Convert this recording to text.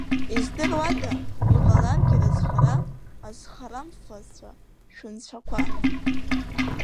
Издыруада, иҟаларгьы рызхара, азхарамфацәа шәынцәақәа!